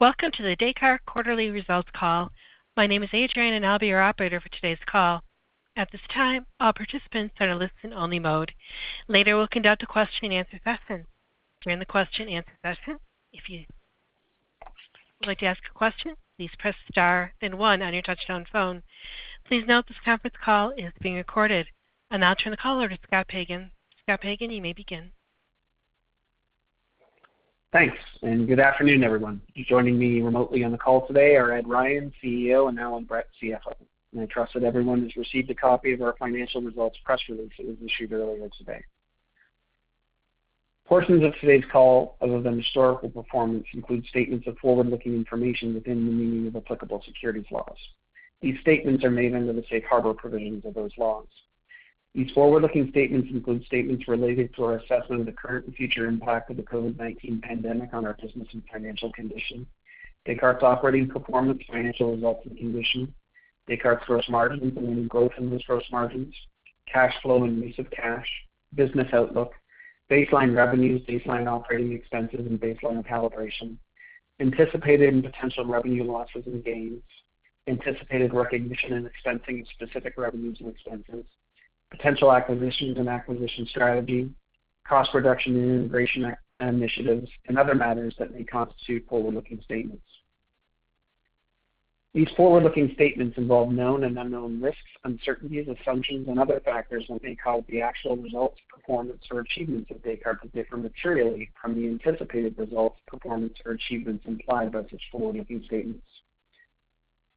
Welcome to the Descartes quarterly results call. My name is Adrienne, and I'll be your operator for today's call. At this time, all participants are in listen-only mode. Later, we'll conduct a Q&A session. During the Q&A session, if you would like to ask a question, please press star and one on your touch-tone phone. Please note this conference call is being recorded. I'll now turn the call over to Scott Pagan. Scott Pagan, you may begin. Thanks, and good afternoon, everyone. Joining me remotely on the call today are Ed Ryan, CEO, and Allan Brett, CFO. I trust that everyone has received a copy of our financial results press release that was issued earlier today. Portions of today's call, other than historical performance, include statements of forward-looking information within the meaning of applicable securities laws. These statements are made under the safe harbor provisions of those laws. These forward-looking statements include statements related to our assessment of the current and future impact of the COVID-19 pandemic on our business and financial condition, Descartes' operating performance, financial results, and condition, Descartes gross margins and any growth in those gross margins, cash flow and use of cash, business outlook, baseline revenues, baseline operating expenses, and baseline calibration, anticipated and potential revenue losses and gains, anticipated recognition and expensing of specific revenues and expenses, potential acquisitions and acquisition strategy, cost reduction and integration initiatives, and other matters that may constitute forward-looking statements. These forward-looking statements involve known and unknown risks, uncertainties, assumptions, and other factors that may cause the actual results, performance, or achievements of Descartes to differ materially from the anticipated results, performance, or achievements implied by such forward-looking statements.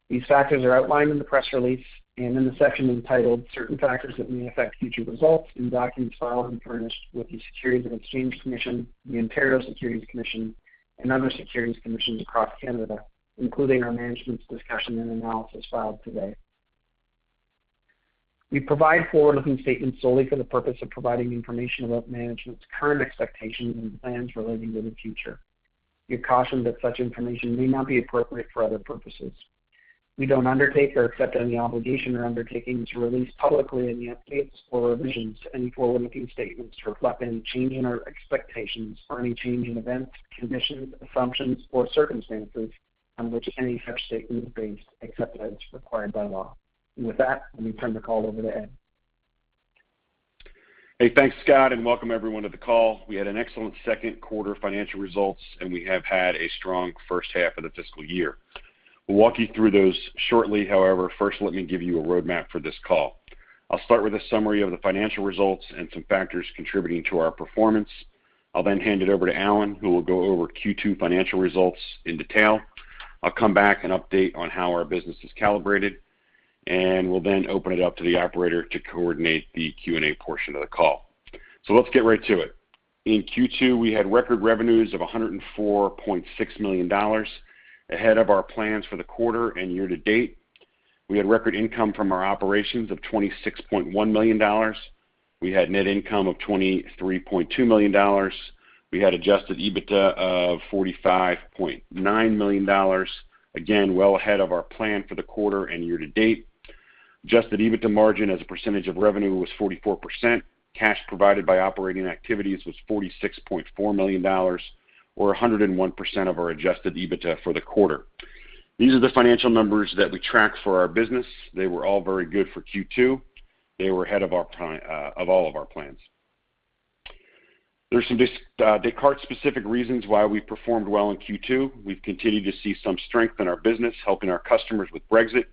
These factors are outlined in the press release and in the section entitled Certain Factors That May Affect Future Results in documents filed and furnished with the Securities and Exchange Commission, the Ontario Securities Commission, and other securities commissions across Canada, including our management's discussion and analysis filed today. We provide forward-looking statements solely for the purpose of providing information about management's current expectations and plans relating to the future. We caution that such information may not be appropriate for other purposes. We don't undertake or accept any obligation or undertaking to release publicly any updates or revisions to any forward-looking statements to reflect any change in our expectations or any change in events, conditions, assumptions, or circumstances on which any such statement is based, except as required by law. With that, let me turn the call over to Ed. Hey, thanks, Scott, and welcome everyone to the call. We had an excellent second quarter financial results, and we have had a strong first half of the fiscal year. We'll walk you through those shortly. However, first, let me give you a roadmap for this call. I'll start with a summary of the financial results and some factors contributing to our performance. I'll then hand it over to Allan, who will go over Q2 financial results in detail. I'll come back and update on how our business is calibrated, and we'll then open it up to the operator to coordinate the Q&A portion of the call. Let's get right to it. In Q2, we had record revenues of $104.6 million, ahead of our plans for the quarter and year-to-date. We had record income from our operations of $26.1 million. We had net income of $23.2 million. We had Adjusted EBITDA of $45.9 million, again, well ahead of our plan for the quarter and year to date. Adjusted EBITDA margin as a percentage of revenue was 44%. Cash provided by operating activities was $46.4 million, or 101% of our Adjusted EBITDA for the quarter. These are the financial numbers that we track for our business. They were all very good for Q2. They were ahead of all of our plans. There's some Descartes specific reasons why we performed well in Q2. We've continued to see some strength in our business, helping our customers with Brexit.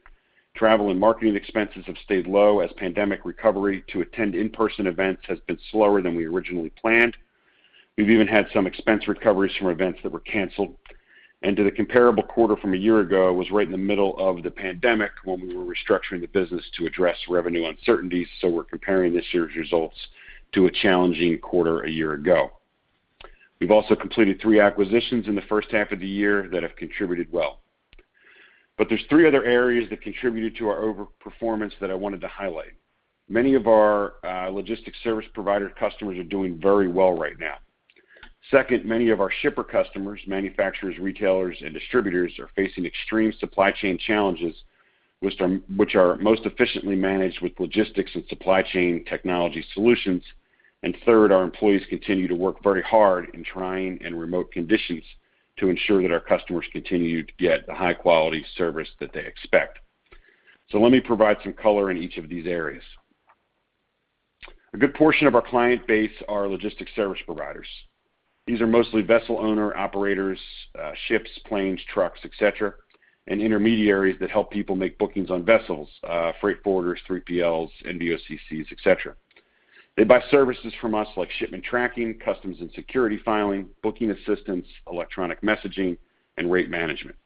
Travel and marketing expenses have stayed low as pandemic recovery to attend in-person events has been slower than we originally planned. We've even had some expense recoveries from events that were canceled. To the comparable quarter from a year ago was right in the middle of the pandemic when we were restructuring the business to address revenue uncertainties. We're comparing this year's results to a challenging quarter a year ago. We've also completed three acquisitions in the first half of the year that have contributed well. There's three other areas that contributed to our over performance that I wanted to highlight. Many of our logistics service provider customers are doing very well right now. Second, many of our shipper customers, manufacturers, retailers, and distributors are facing extreme supply chain challenges, which are most efficiently managed with logistics and supply chain technology solutions. Third, our employees continue to work very hard in trying and remote conditions to ensure that our customers continue to get the high-quality service that they expect. Let me provide some color in each of these areas. A good portion of our client base are logistics service providers. These are mostly vessel owner-operators, ships, planes, trucks, et cetera, and intermediaries that help people make bookings on vessels, freight forwarders, 3PLs, NVOCCs, et cetera. They buy services from us like shipment tracking, customs and security filing, booking assistance, electronic messaging, and rate management.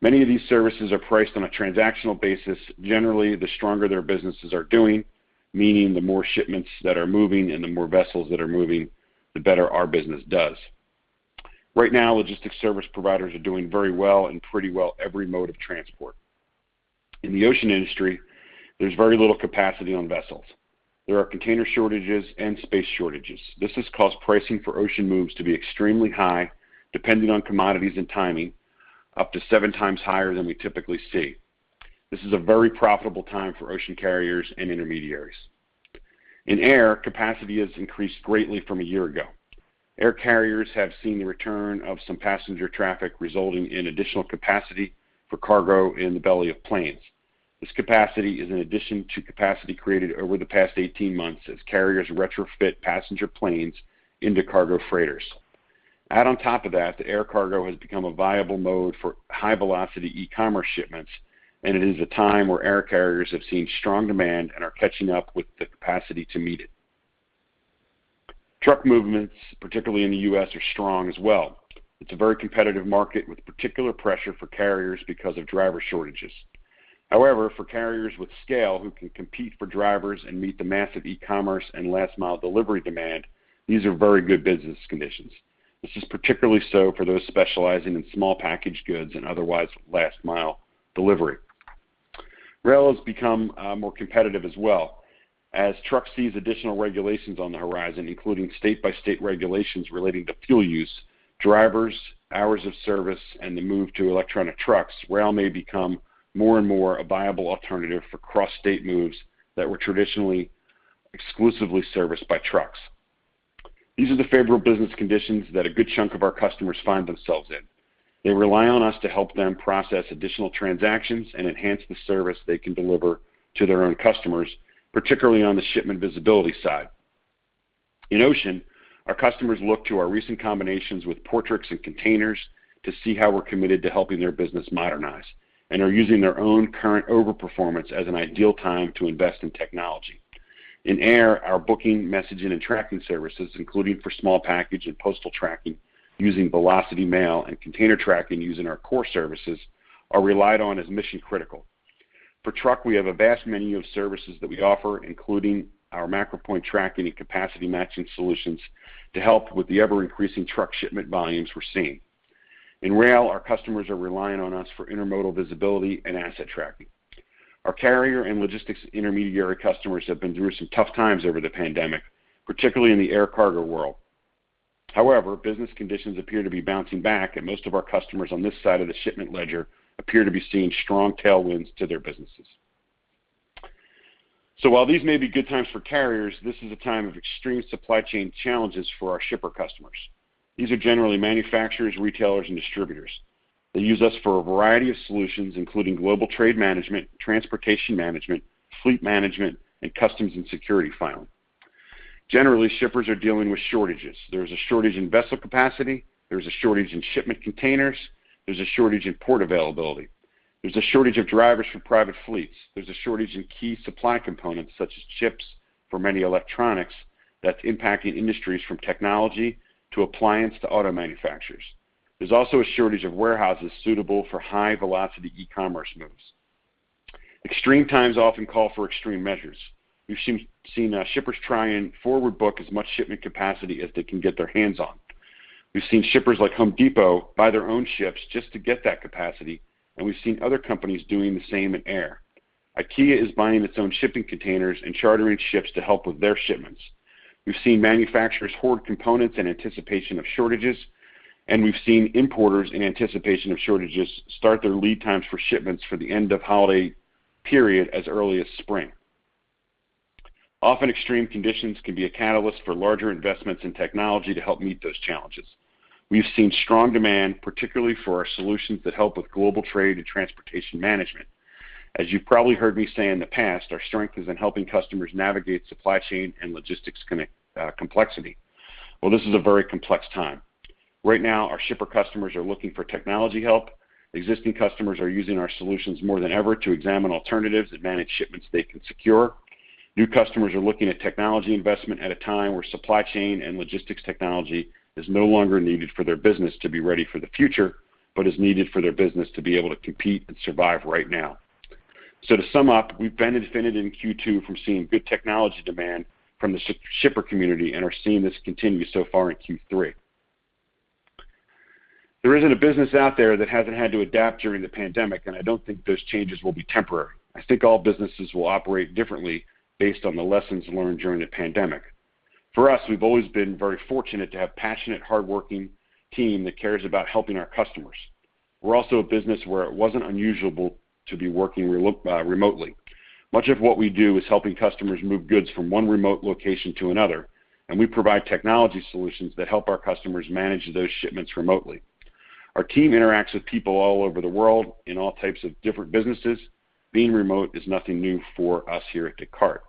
Many of these services are priced on a transactional basis. Generally, the stronger their businesses are doing, meaning the more shipments that are moving and the more vessels that are moving, the better our business does. Right now, logistics service providers are doing very well in pretty well every mode of transport. In the ocean industry, there is very little capacity on vessels. There are container shortages and space shortages. This has caused pricing for ocean moves to be extremely high, depending on commodities and timing, up to 7x higher than we typically see. This is a very profitable time for ocean carriers and intermediaries. In air, capacity has increased greatly from a year ago. Air carriers have seen the return of some passenger traffic, resulting in additional capacity for cargo in the belly of planes. This capacity is in addition to capacity created over the past 18 months as carriers retrofit passenger planes into cargo freighters. Add on top of that, the air cargo has become a viable mode for high-velocity e-commerce shipments, and it is a time where air carriers have seen strong demand and are catching up with the capacity to meet it. Truck movements, particularly in the U.S., are strong as well. It's a very competitive market with particular pressure for carriers because of driver shortages. However, for carriers with scale who can compete for drivers and meet the massive e-commerce and last-mile delivery demand, these are very good business conditions. This is particularly so for those specializing in small package goods and otherwise last-mile delivery. Rail has become more competitive as well. As trucks seize additional regulations on the horizon, including state-by-state regulations relating to fuel use, drivers, hours of service, and the move to electronic trucks, rail may become more and more a viable alternative for cross-state moves that were traditionally exclusively serviced by trucks. These are the favorable business conditions that a good chunk of our customers find themselves in. They rely on us to help them process additional transactions and enhance the service they can deliver to their own customers, particularly on the shipment visibility side. In ocean, our customers look to our recent combinations with Portrix and Kontainers to see how we're committed to helping their business modernize and are using their own current over-performance as an ideal time to invest in technology. In air, our booking, messaging, and tracking services, including for small package and postal tracking using Descartes Velocity Mail and container tracking using our core services, are relied on as mission-critical. For truck, we have a vast menu of services that we offer, including our Descartes MacroPoint tracking and capacity matching solutions to help with the ever-increasing truck shipment volumes we're seeing. In rail, our customers are relying on us for intermodal visibility and asset tracking. Our carrier and logistics intermediary customers have been through some tough times over the pandemic, particularly in the air cargo world. Business conditions appear to be bouncing back, and most of our customers on this side of the shipment ledger appear to be seeing strong tailwinds to their businesses. While these may be good times for carriers, this is a time of extreme supply chain challenges for our shipper customers. These are generally manufacturers, retailers, and distributors. They use us for a variety of solutions, including global trade management, transportation management, fleet management, and customs and security filing. Generally, shippers are dealing with shortages. There's a shortage in vessel capacity. There's a shortage in shipment containers. There's a shortage in port availability. There's a shortage of drivers from private fleets. There's a shortage in key supply components, such as chips for many electronics, that's impacting industries from technology to appliance to auto manufacturers. There's also a shortage of warehouses suitable for high-velocity e-commerce moves. Extreme times often call for extreme measures. We've seen shippers try and forward book as much shipment capacity as they can get their hands on. We've seen shippers like Home Depot buy their own ships just to get that capacity, and we've seen other companies doing the same in air. IKEA is buying its own shipping containers and chartering ships to help with their shipments. We've seen manufacturers hoard components in anticipation of shortages, and we've seen importers in anticipation of shortages start their lead times for shipments for the end of holiday period as early as spring. Often, extreme conditions can be a catalyst for larger investments in technology to help meet those challenges. We've seen strong demand, particularly for our solutions that help with global trade and transportation management. As you've probably heard me say in the past, our strength is in helping customers navigate supply chain and logistics complexity. Well, this is a very complex time. Right now, our shipper customers are looking for technology help. Existing customers are using our solutions more than ever to examine alternatives that manage shipments they can secure. New customers are looking at technology investment at a time where supply chain and logistics technology is no longer needed for their business to be ready for the future, but is needed for their business to be able to compete and survive right now. To sum up, we've benefited in Q2 from seeing good technology demand from the shipper community and are seeing this continue so far in Q3. There isn't a business out there that hasn't had to adapt during the pandemic, and I don't think those changes will be temporary. I think all businesses will operate differently based on the lessons learned during the pandemic. For us, we've always been very fortunate to have passionate, hardworking team that cares about helping our customers. We're also a business where it wasn't unusual to be working remotely. Much of what we do is helping customers move goods from one remote location to another, and we provide technology solutions that help our customers manage those shipments remotely. Our team interacts with people all over the world in all types of different businesses. Being remote is nothing new for us here at Descartes.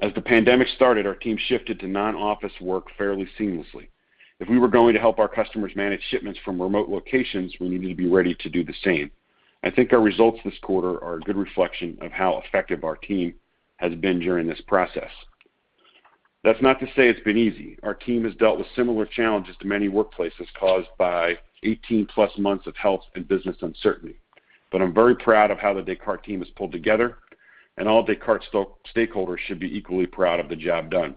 As the pandemic started, our team shifted to non-office work fairly seamlessly. If we were going to help our customers manage shipments from remote locations, we needed to be ready to do the same. I think our results this quarter are a good reflection of how effective our team has been during this process. That's not to say it's been easy. Our team has dealt with similar challenges to many workplaces caused by 18-plus months of health and business uncertainty. I'm very proud of how the Descartes team has pulled together, and all Descartes stakeholders should be equally proud of the job done.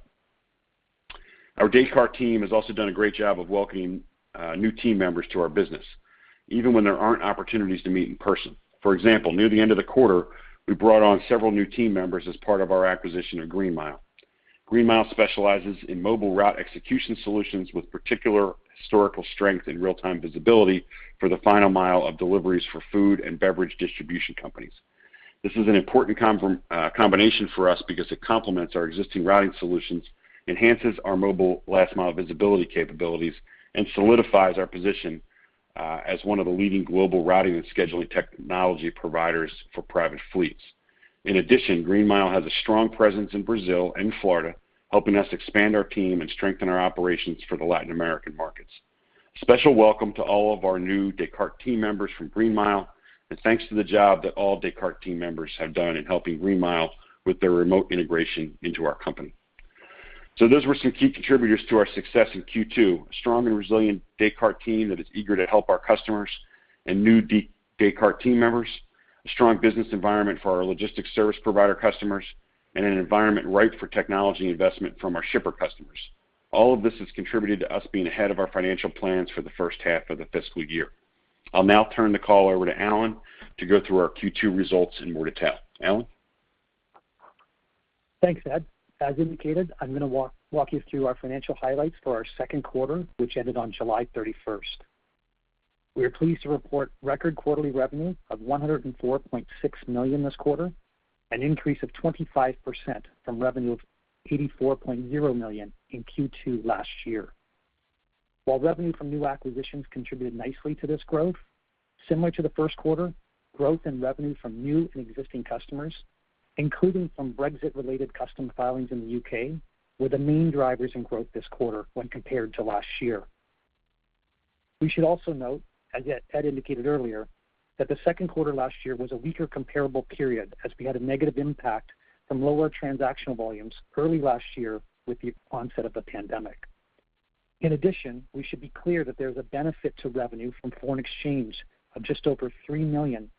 Our Descartes team has also done a great job of welcoming new team members to our business, even when there aren't opportunities to meet in person. For example, near the end of the quarter, we brought on several new team members as part of our acquisition of GreenMile. GreenMile specializes in mobile route execution solutions with particular historical strength and real-time visibility for the final mile of deliveries for food and beverage distribution companies. This is an important combination for us because it complements our existing routing solutions, enhances our mobile last mile visibility capabilities, and solidifies our position as one of the leading global routing and scheduling technology providers for private fleets. In addition, GreenMile has a strong presence in Brazil and Florida, helping us expand our team and strengthen our operations for the Latin American markets. A special welcome to all of our new Descartes team members from GreenMile, and thanks to the job that all Descartes team members have done in helping GreenMile with their remote integration into our company. Those were some key contributors to our success in Q2. A strong and resilient Descartes team that is eager to help our customers and new Descartes team members, a strong business environment for our logistics service provider customers, and an environment ripe for technology investment from our shipper customers. All of this has contributed to us being ahead of our financial plans for the first half of the fiscal year. I'll now turn the call over to Allan to go through our Q2 results in more detail. Allan? Thanks, Ed. As indicated, I'm going to walk you through our financial highlights for our second quarter, which ended on July 31st. We are pleased to report record quarterly revenue of $104.6 million this quarter, an increase of 25% from revenue of $84.0 million in Q2 last year. While revenue from new acquisitions contributed nicely to this growth, similar to the first quarter, growth in revenue from new and existing customers, including from Brexit-related custom filings in the U.K., were the main drivers in growth this quarter when compared to last year. We should also note, as Ed indicated earlier, that the second quarter last year was a weaker comparable period, as we had a negative impact from lower transactional volumes early last year with the onset of the pandemic. In addition, we should be clear that there is a benefit to revenue from foreign exchange of just over $3 million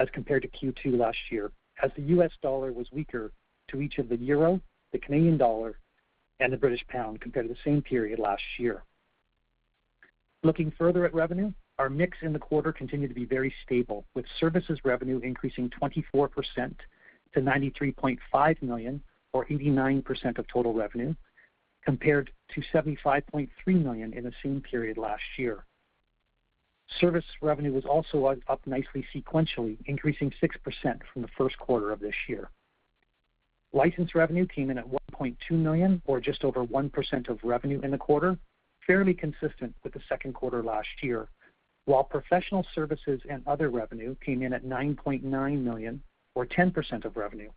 as compared to Q2 last year, as the U.S. dollar was weaker to each of the euro, the Canadian dollar, and the British pound compared to the same period last year. Looking further at revenue, our mix in the quarter continued to be very stable, with services revenue increasing 24% to $93.5 million, or 89% of total revenue, compared to $75.3 million in the same period last year. Service revenue was also up nicely sequentially, increasing 6% from the first quarter of this year. License revenue came in at $1.2 million, or just over 1% of revenue in the quarter, fairly consistent with the second quarter last year. While professional services and other revenue came in at $9.9 million, or 10% of revenue,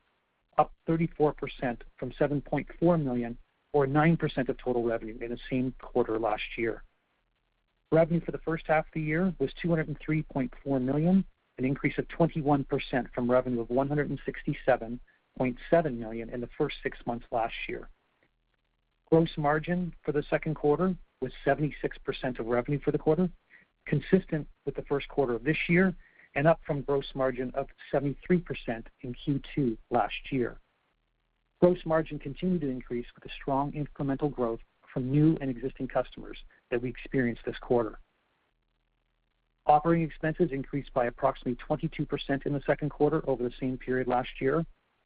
up 34% from $7.4 million, or 9% of total revenue in the same quarter last year. Revenue for the first half of the year was $203.4 million, an increase of 21% from revenue of $167.7 million in the first six months last year. Gross margin for the second quarter was 76% of revenue for the quarter, consistent with the first quarter of this year, and up from gross margin of 73% in Q2 last year. Gross margin continued to increase with the strong incremental growth from new and existing customers that we experienced this quarter. Operating expenses increased by approximately 22% in the second quarter over the same period last year,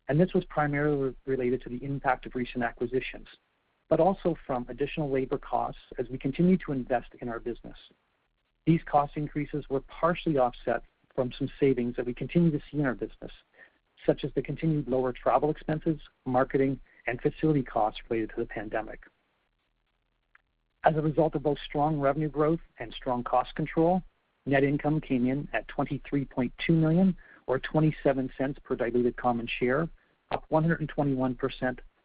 and this was primarily related to the impact of recent acquisitions, but also from additional labor costs as we continue to invest in our business. These cost increases were partially offset from some savings that we continue to see in our business, such as the continued lower travel expenses, marketing, and facility costs related to the pandemic. As a result of both strong revenue growth and strong cost control, net income came in at $23.2 million or $0.27 per diluted common share, up 121%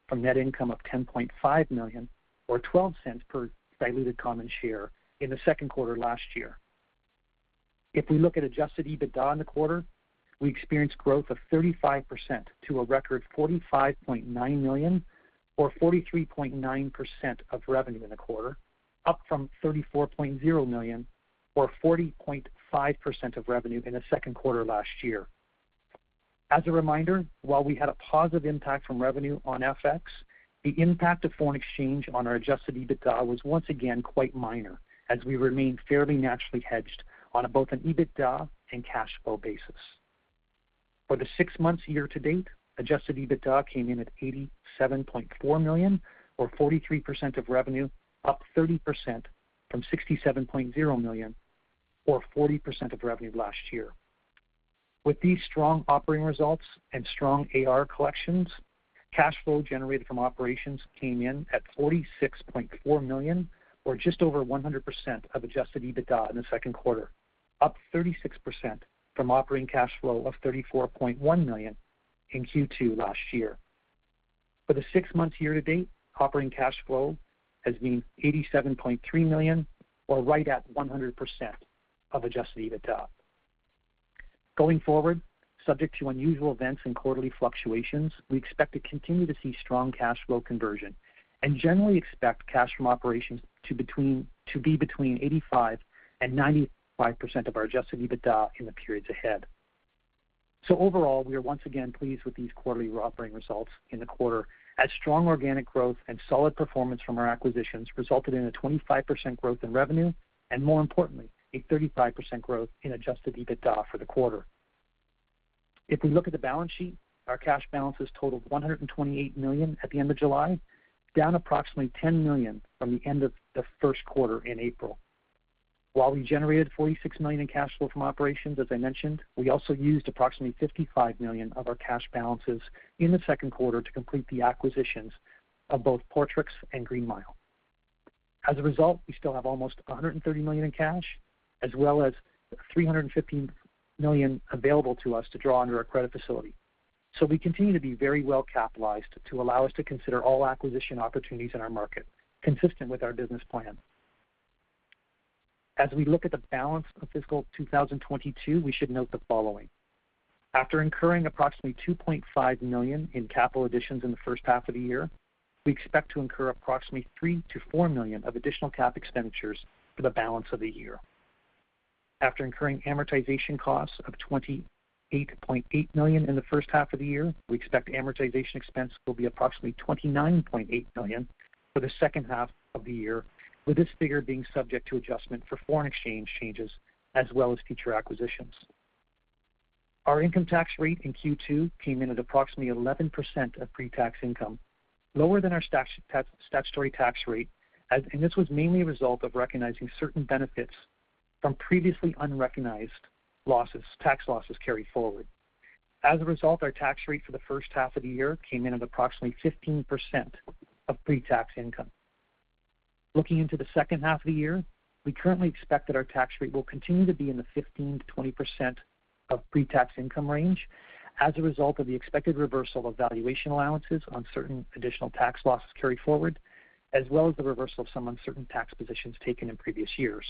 from net income of $10.5 million or $0.12 per diluted common share in the second quarter last year. If we look at adjusted EBITDA in the quarter, we experienced growth of 35% to a record $45.9 million or 43.9% of revenue in the quarter, up from $34.0 million or 40.5% of revenue in the second quarter last year. As a reminder, while we had a positive impact from revenue on FX, the impact of foreign exchange on our adjusted EBITDA was once again quite minor as we remain fairly naturally hedged on both an EBITDA and cash flow basis. For the six months year-to-date, adjusted EBITDA came in at $87.4 million or 43% of revenue, up 30% from $67.0 million or 40% of revenue last year. With these strong operating results and strong AR collections, cash flow generated from operations came in at $46.4 million or just over 100% of adjusted EBITDA in the second quarter, up 36% from operating cash flow of $34.1 million in Q2 last year. For the six months year-to-date, operating cash flow has been $87.3 million or right at 100% of adjusted EBITDA. Going forward, subject to unusual events and quarterly fluctuations, we expect to continue to see strong cash flow conversion and generally expect cash from operations to be between 85% and 95% of our adjusted EBITDA in the periods ahead Overall, we are once again pleased with these quarterly operating results in the quarter as strong organic growth and solid performance from our acquisitions resulted in a 25% growth in revenue and more importantly, a 35% growth in adjusted EBITDA for the quarter. If we look at the balance sheet, our cash balances totaled $128 million at the end of July, down approximately $10 million from the end of the first quarter in April. While we generated $46 million in cash flow from operations, as I mentioned, we also used approximately $55 million of our cash balances in the second quarter to complete the acquisitions of both Portrix and GreenMile. As a result, we still have almost $130 million in cash, as well as $315 million available to us to draw under our credit facility. We continue to be very well capitalized to allow us to consider all acquisition opportunities in our market consistent with our business plan. As we look at the balance of fiscal 2022, we should note the following. After incurring approximately $2.5 million in capital additions in the first half of the year, we expect to incur approximately $3 million-$4 million of additional cap expenditures for the balance of the year. After incurring amortization costs of $28.8 million in the first half of the year, we expect amortization expense will be approximately $29.8 million for the second half of the year, with this figure being subject to adjustment for foreign exchange changes as well as future acquisitions. Our income tax rate in Q2 came in at approximately 11% of pre-tax income, lower than our statutory tax rate. This was mainly a result of recognizing certain benefits from previously unrecognized tax losses carried forward. As a result, our tax rate for the first half of the year came in at approximately 15% of pre-tax income. Looking into the second half of the year, we currently expect that our tax rate will continue to be in the 15%-20% of pre-tax income range as a result of the expected reversal of valuation allowances on certain additional tax losses carried forward, as well as the reversal of some uncertain tax positions taken in previous years.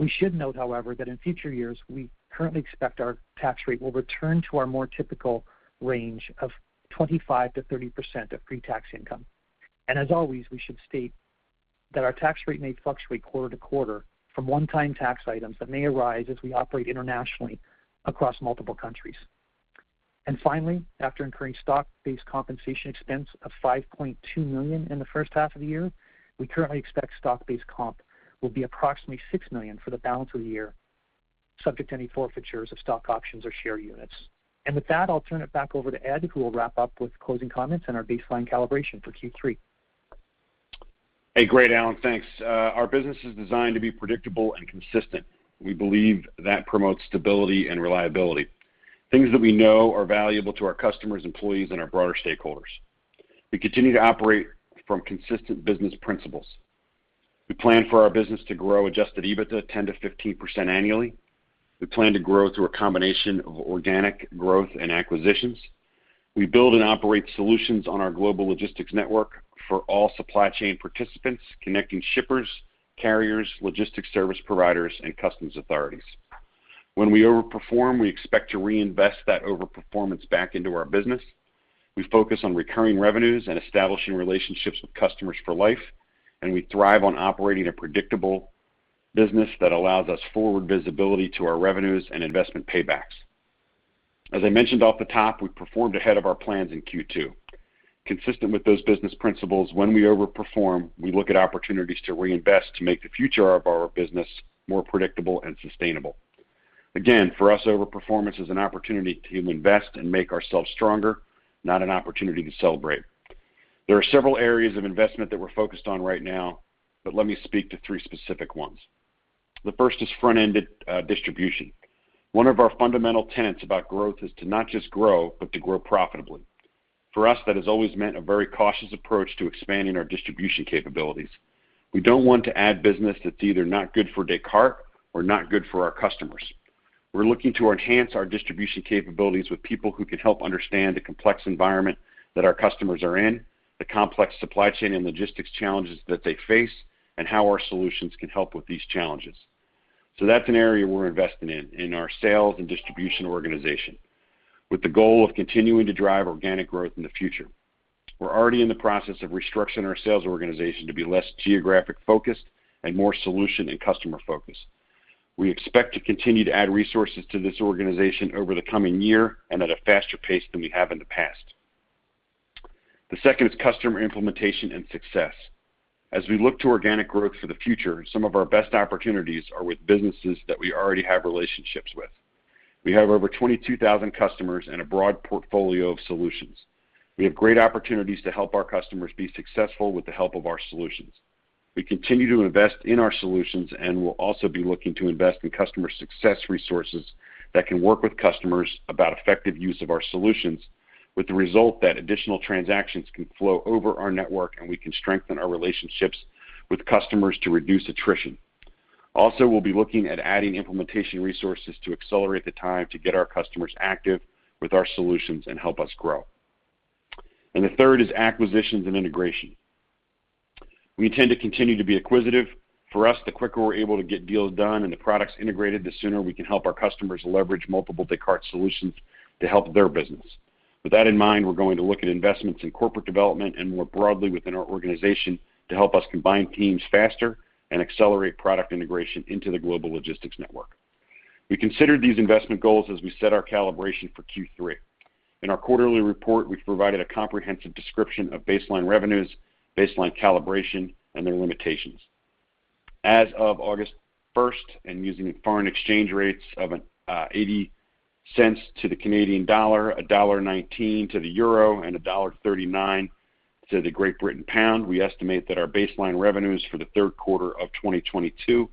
We should note, however, that in future years, we currently expect our tax rate will return to our more typical range of 25%-30% of pre-tax income. As always, we should state that our tax rate may fluctuate quarter to quarter from one-time tax items that may arise as we operate internationally across multiple countries. Finally, after incurring stock-based compensation expense of $5.2 million in the first half of the year, we currently expect stock-based comp will be approximately $6 million for the balance of the year, subject to any forfeitures of stock options or share units. With that, I'll turn it back over to Ed, who will wrap up with closing comments and our baseline calibration for Q3. Hey, great, Allan. Thanks. Our business is designed to be predictable and consistent. We believe that promotes stability and reliability, things that we know are valuable to our customers, employees, and our broader stakeholders. We continue to operate from consistent business principles. We plan for our business to grow adjusted EBITDA 10%-15% annually. We plan to grow through a combination of organic growth and acquisitions. We build and operate solutions on our Global Logistics Network for all supply chain participants, connecting shippers, carriers, logistics service providers, and customs authorities. When we overperform, we expect to reinvest that overperformance back into our business. We focus on recurring revenues and establishing relationships with customers for life, and we thrive on operating a predictable business that allows us forward visibility to our revenues and investment paybacks. As I mentioned off the top, we performed ahead of our plans in Q2. Consistent with those business principles, when we overperform, we look at opportunities to reinvest to make the future of our business more predictable and sustainable. Again, for us, overperformance is an opportunity to invest and make ourselves stronger, not an opportunity to celebrate. There are several areas of investment that we're focused on right now, but let me speak to three specific ones. The first is front-end distribution. One of our fundamental tenets about growth is to not just grow, but to grow profitably. For us, that has always meant a very cautious approach to expanding our distribution capabilities. We don't want to add business that's either not good for Descartes or not good for our customers. We're looking to enhance our distribution capabilities with people who can help understand the complex environment that our customers are in, the complex supply chain and logistics challenges that they face, and how our solutions can help with these challenges. That's an area we're investing in our sales and distribution organization, with the goal of continuing to drive organic growth in the future. We're already in the process of restructuring our sales organization to be less geographic-focused and more solution and customer-focused. We expect to continue to add resources to this organization over the coming year and at a faster pace than we have in the past. The second is customer implementation and success. As we look to organic growth for the future, some of our best opportunities are with businesses that we already have relationships with. We have over 22,000 customers and a broad portfolio of solutions. We have great opportunities to help our customers be successful with the help of our solutions. We continue to invest in our solutions and will also be looking to invest in customer success resources that can work with customers about effective use of our solutions with the result that additional transactions can flow over our network and we can strengthen our relationships with customers to reduce attrition. Also, we'll be looking at adding implementation resources to accelerate the time to get our customers active with our solutions and help us grow. The third is acquisitions and integration. We intend to continue to be acquisitive. For us, the quicker we're able to get deals done and the products integrated, the sooner we can help our customers leverage multiple Descartes solutions to help their business. With that in mind, we're going to look at investments in corporate development and more broadly within our organization to help us combine teams faster and accelerate product integration into the Global Logistics Network. We considered these investment goals as we set our calibration for Q3. In our quarterly report, we've provided a comprehensive description of baseline revenues, baseline calibration, and their limitations. As of August 1st, and using foreign exchange rates of $0.80 to the Canadian dollar, $1.19 to the euro, and $1.39 to the Great Britain pound, we estimate that our baseline revenues for the third quarter of 2022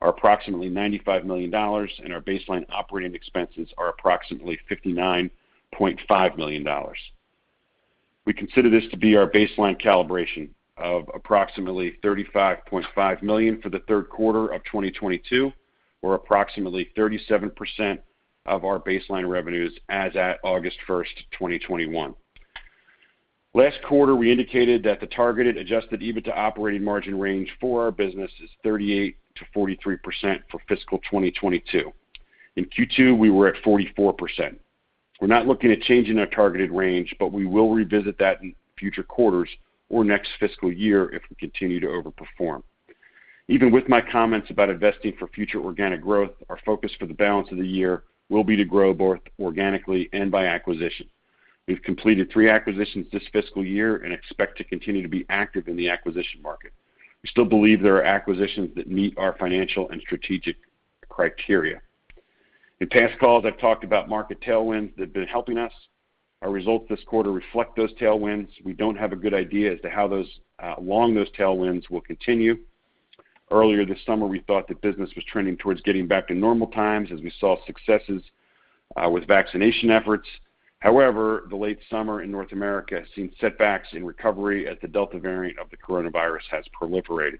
are approximately $95 million, and our baseline operating expenses are approximately $59.5 million. We consider this to be our baseline calibration of approximately $35.5 million for the third quarter of 2022, or approximately 37% of our baseline revenues as at August 1st, 2021. Last quarter, we indicated that the targeted adjusted EBITDA operating margin range for our business is 38%-43% for fiscal 2022. In Q2, we were at 44%. We're not looking at changing our targeted range, but we will revisit that in future quarters or next fiscal year if we continue to overperform. Even with my comments about investing for future organic growth, our focus for the balance of the year will be to grow both organically and by acquisition. We've completed three acquisitions this fiscal year and expect to continue to be active in the acquisition market. We still believe there are acquisitions that meet our financial and strategic criteria. In past calls, I've talked about market tailwinds that have been helping us. Our results this quarter reflect those tailwinds. We don't have a good idea as to how long those tailwinds will continue. Earlier this summer, we thought that business was trending towards getting back to normal times as we saw successes with vaccination efforts. However, the late summer in North America has seen setbacks in recovery as the Delta variant of the coronavirus has proliferated.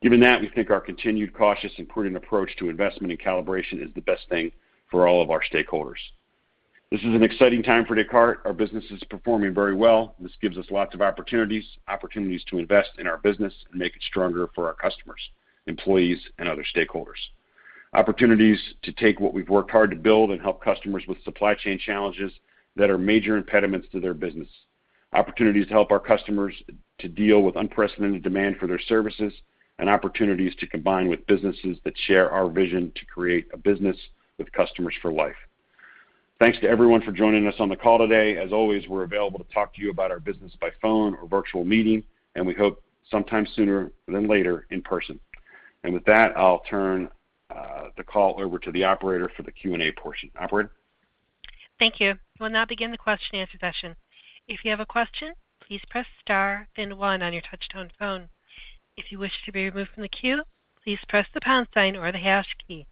Given that, we think our continued cautious and prudent approach to investment and calibration is the best thing for all of our stakeholders. This is an exciting time for Descartes. Our business is performing very well, and this gives us lots of opportunities. Opportunities to invest in our business and make it stronger for our customers, employees, and other stakeholders. Opportunities to take what we've worked hard to build and help customers with supply chain challenges that are major impediments to their business. Opportunities to help our customers to deal with unprecedented demand for their services, and opportunities to combine with businesses that share our vision to create a business with customers for life. Thanks to everyone for joining us on the call today. As always, we're available to talk to you about our business by phone or virtual meeting, and we hope sometime sooner than later in person. With that, I'll turn the call over to the operator for the Q&A portion. Operator? Thank you. We'll now begin the Q&A session. If you have a question, please press star then one on your touch-tone phone. If you wish to be removed from the queue, please press the pound sign or the hash key.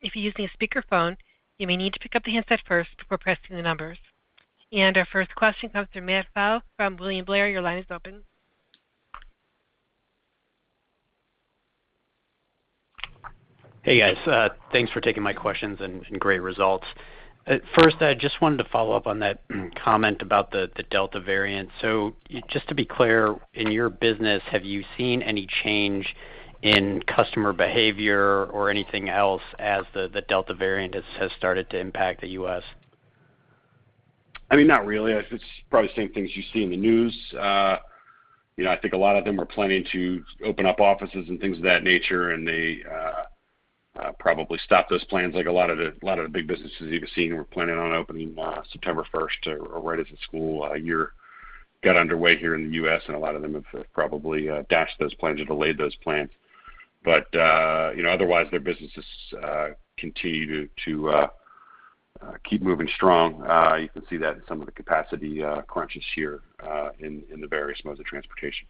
If you're using a speakerphone, you may need to pick up the handset first before pressing the numbers. Our first question comes from Matt Pfau from William Blair. Your line is open. Hey, guys. Thanks for taking my questions and great results. First, I just wanted to follow up on that comment about the Delta variant. Just to be clear, in your business, have you seen any change in customer behavior or anything else as the Delta variant has started to impact the U.S.? I mean, not really. It's probably the same things you see in the news. I think a lot of them are planning to open up offices and things of that nature. They probably stopped those plans. A lot of the big businesses you've been seeing were planning on opening September 1st or right as the school year got underway here in the U.S. A lot of them have probably dashed those plans or delayed those plans. Otherwise, their businesses continue to keep moving strong. You can see that in some of the capacity crunches here in the various modes of transportation.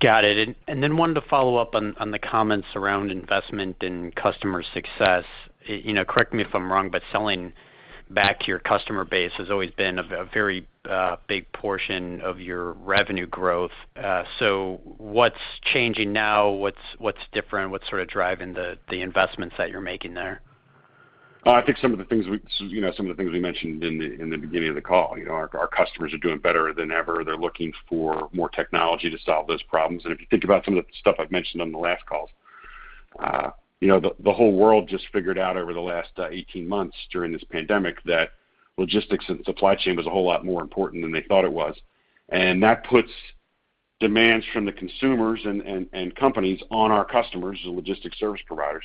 Got it. Wanted to follow up on the comments around investment and customer success. Correct me if I'm wrong, but selling back to your customer base has always been a very big portion of your revenue growth. What's changing now? What's different? What's sort of driving the investments that you're making there? I think some of the things we mentioned in the beginning of the call. Our customers are doing better than ever. They're looking for more technology to solve those problems. If you think about some of the stuff I've mentioned on the last calls, the whole world just figured out over the last 18 months during this pandemic that logistics and supply chain was a whole lot more important than they thought it was. That puts demands from the consumers and companies on our customers, the logistics service providers.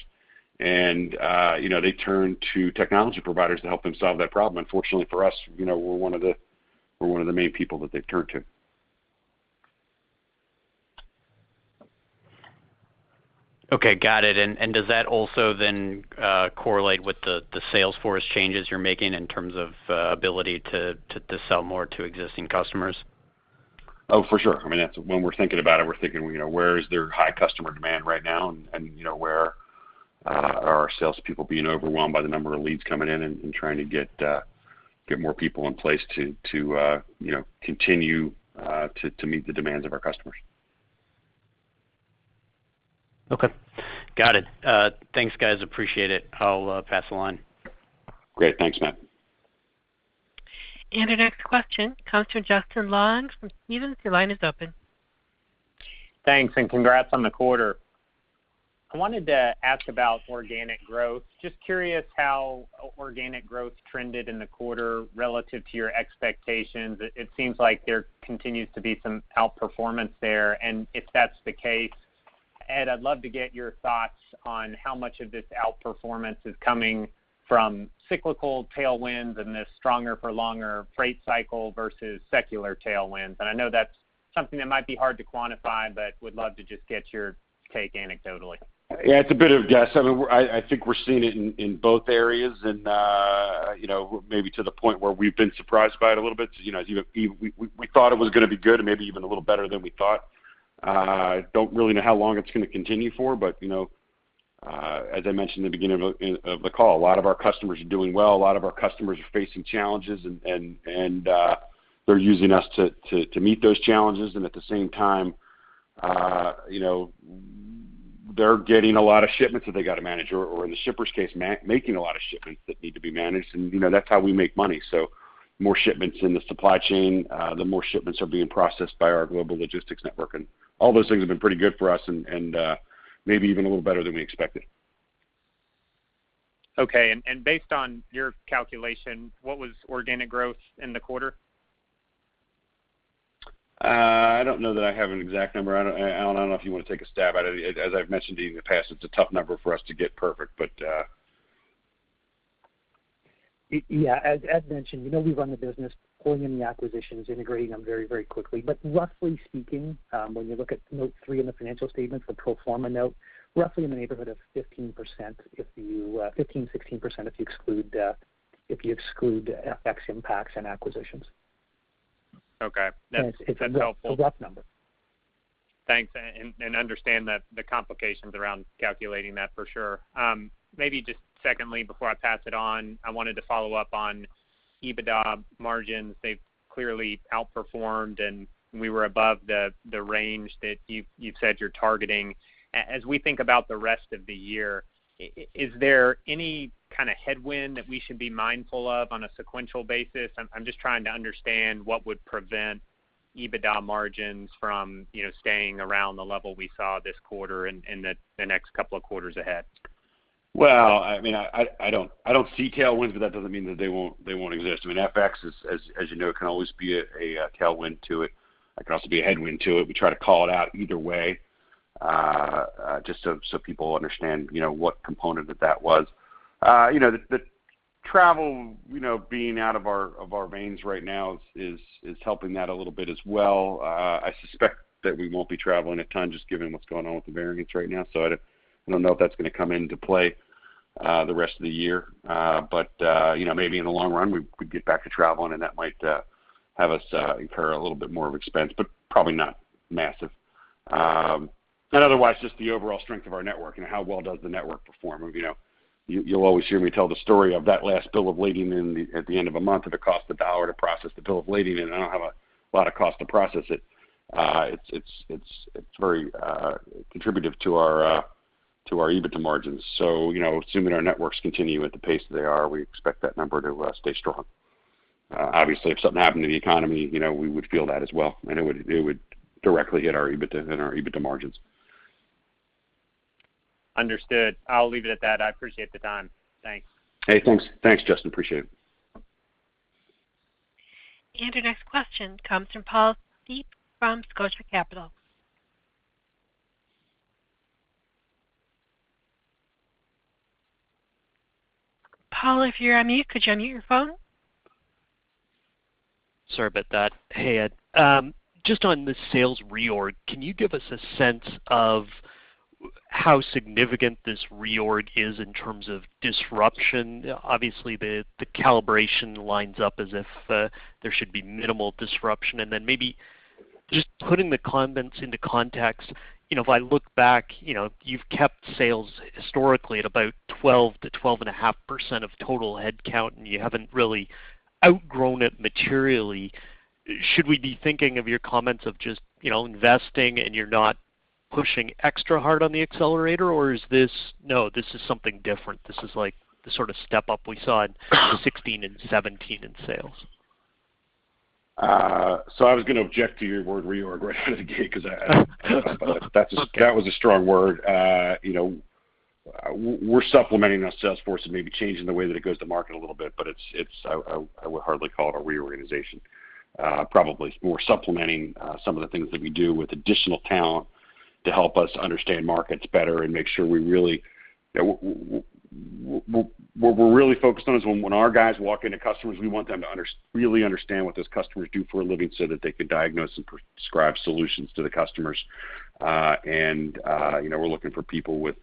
They turn to technology providers to help them solve that problem. Fortunately for us, we're one of the main people that they turn to. Okay. Got it. Does that also then correlate with the sales force changes you're making in terms of ability to sell more to existing customers? Oh, for sure. I mean, when we're thinking about it, we're thinking, where is there high customer demand right now, and where are our salespeople being overwhelmed by the number of leads coming in? Trying to get more people in place to continue to meet the demands of our customers. Okay. Got it. Thanks, guys. Appreciate it. I'll pass along. Great. Thanks, Matt. Our next question comes from Justin Long from Stephens. Your line is open. Thanks, congrats on the quarter. I wanted to ask about organic growth. Just curious how organic growth trended in the quarter relative to your expectations. It seems like there continues to be some outperformance there. If that's the case Ed, I'd love to get your thoughts on how much of this outperformance is coming from cyclical tailwinds and this stronger for longer freight cycle versus secular tailwinds. I know that's something that might be hard to quantify, but would love to just get your take anecdotally. Yeah, it's a bit of guess. I think we're seeing it in both areas, maybe to the point where we've been surprised by it a little bit. We thought it was going to be good and maybe even a little better than we thought. Don't really know how long it's going to continue for, as I mentioned in the beginning of the call, a lot of our customers are doing well. A lot of our customers are facing challenges, they're using us to meet those challenges. At the same time, they're getting a lot of shipments that they got to manage, or in the shipper's case, making a lot of shipments that need to be managed. That's how we make money. More shipments in the supply chain, the more shipments are being processed by our Global Logistics Network. All those things have been pretty good for us and maybe even a little better than we expected. Okay, based on your calculation, what was organic growth in the quarter? I don't know that I have an exact number. Allan, I don't know if you want to take a stab at it. As I've mentioned to you in the past, it's a tough number for us to get perfect. Yeah, as Ed mentioned, we run the business pulling in the acquisitions, integrating them very quickly. Roughly speaking, when you look at note 3 in the financial statement, the pro forma note, roughly in the neighborhood of 15%, 15%, 16%, if you exclude FX impacts and acquisitions. Okay. That's helpful. It's a rough number. Thanks. Understand the complications around calculating that for sure. Maybe just secondly, before I pass it on, I wanted to follow up on EBITDA margins. They've clearly outperformed. We were above the range that you've said you're targeting. As we think about the rest of the year, is there any kind of headwind that we should be mindful of on a sequential basis? I'm just trying to understand what would prevent EBITDA margins from staying around the level we saw this quarter and the next couple of quarters ahead. Well, I don't see tailwinds, but that doesn't mean that they won't exist. FX, as you know, can always be a tailwind to it. It can also be a headwind to it. We try to call it out either way, just so people understand what component that that was. The travel being out of our veins right now is helping that a little bit as well. I suspect that we won't be traveling a ton just given what's going on with the variants right now. I don't know if that's going to come into play the rest of the year. Maybe in the long run, we could get back to traveling, and that might have us incur a little bit more of expense, but probably not massive. Otherwise, just the overall strength of our network and how well does the network perform. You'll always hear me tell the story of that last bill of lading in at the end of a month. If it cost $1 to process the bill of lading, and I don't have a lot of cost to process it's very contributive to our EBITDA margins. Assuming our networks continue at the pace that they are, we expect that number to stay strong. Obviously, if something happened to the economy, we would feel that as well, and it would directly hit our EBITDA and our EBITDA margins. Understood. I'll leave it at that. I appreciate the time. Thanks. Hey, thanks Justin. Appreciate it. Our next question comes from Paul Steep from Scotia Capital. Paul, if you're on mute, could you unmute your phone? Sorry about that. Hey, Ed. Just on the sales reorg, can you give us a sense of how significant this reorg is in terms of disruption? Obviously, the baseline calibration lines up as if there should be minimal disruption. Then maybe just putting the comments into context, if I look back, you've kept sales historically at about 12%-12.5% of total headcount, and you haven't really outgrown it materially. Should we be thinking of your comments of just investing and you're not pushing extra hard on the accelerator? Or is this, No, this is something different. This is like the sort of step-up we saw in 2016 and 2017 in sales? I was going to object to your word reorg right out of the gate because that was a strong word. We're supplementing our sales force and maybe changing the way that it goes to market a little bit, but I would hardly call it a reorganization. Probably more supplementing some of the things that we do with additional talent to help us understand markets better and make sure what we're really focused on is when our guys walk into customers, we want them to really understand what those customers do for a living so that they can diagnose and prescribe solutions to the customers. We're looking for people with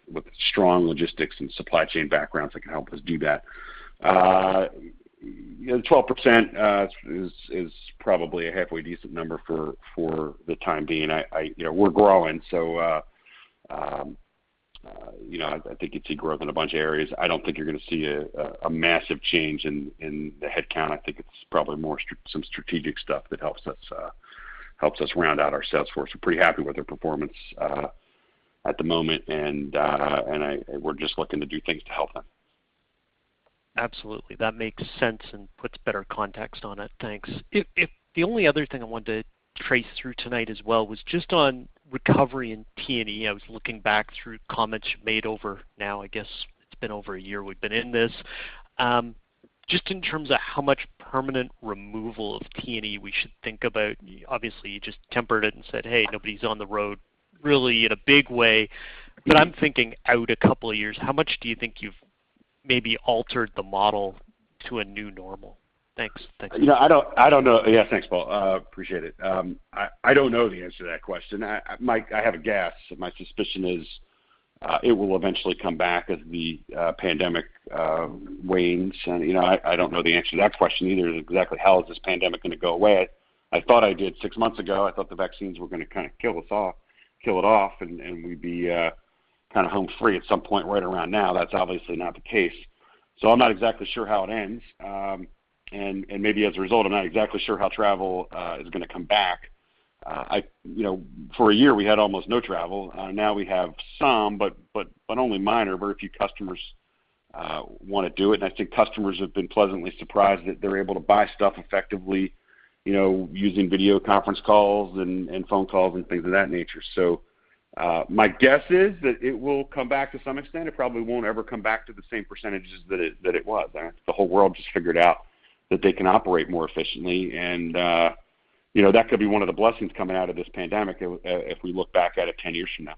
strong logistics and supply chain backgrounds that can help us do that. 12% is probably a halfway decent number for the time being. We're growing, I think you'd see growth in a bunch of areas. I don't think you're going to see a massive change in the headcount. I think it's probably more some strategic stuff that helps us round out our sales force. We're pretty happy with their performance at the moment, we're just looking to do things to help them. Absolutely. That makes sense and puts better context on it. Thanks. The only other thing I wanted to trace through tonight as well was just on recovery in T&E. I was looking back through comments you made over now, I guess it's been over a year we've been in this. Just in terms of how much permanent removal of T&E we should think about. Obviously, you just tempered it and said, Hey, nobody's on the road really in a big way. I'm thinking out a couple of years, how much do you think you've maybe altered the model to a new normal? Thanks. Yeah. Thanks, Paul. Appreciate it. I don't know the answer to that question. I have a guess. My suspicion is it will eventually come back as the pandemic wanes. I don't know the answer to that question either, is exactly how is this pandemic going to go away? I thought I did six months ago. I thought the vaccines were going to kind of kill it off, and we'd be home free at some point right around now. That's obviously not the case. I'm not exactly sure how it ends. Maybe as a result, I'm not exactly sure how travel is going to come back. For a year, we had almost no travel. Now we have some, but only minor. Very few customers want to do it. I think customers have been pleasantly surprised that they're able to buy stuff effectively using video conference calls and phone calls, and things of that nature. My guess is that it will come back to some extent. It probably won't ever come back to the same percentages that it was. I think the whole world just figured out that they can operate more efficiently, and that could be one of the blessings coming out of this pandemic if we look back at it 10 years from now.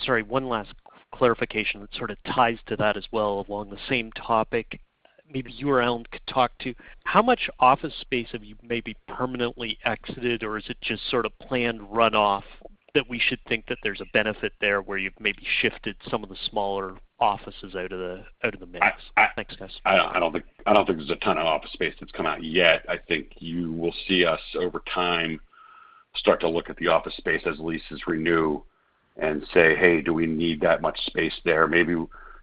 Sorry, one last clarification that sort of ties to that as well along the same topic. Maybe you or Allan Brett could talk to how much office space have you maybe permanently exited, or is it just sort of planned runoff that we should think that there's a benefit there where you've maybe shifted some of the smaller offices out of the mix? Thanks, guys. I don't think there's a ton of office space that's come out yet. I think you will see us over time start to look at the office space as leases renew and say, Hey, do we need that much space there?